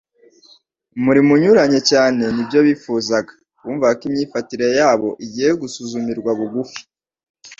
umurimo unyuranye cyane n'ibyo bifuzaga. Bumva ko imyifatire yabo igiye gusuzumirwa bugufi.